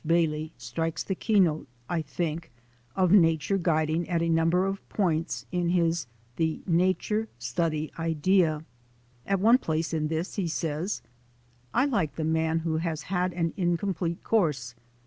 Bailey strikes the keynote, I think, of nature guiding at a number of point in his "The Nature Study Idea." At one place in this he says: "I like the man who has had an incomplete course.